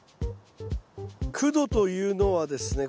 苦土というのはですね